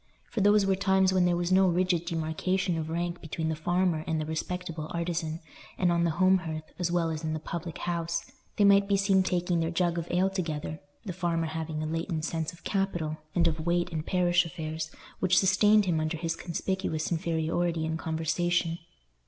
For those were times when there was no rigid demarcation of rank between the farmer and the respectable artisan, and on the home hearth, as well as in the public house, they might be seen taking their jug of ale together; the farmer having a latent sense of capital, and of weight in parish affairs, which sustained him under his conspicuous inferiority in conversation.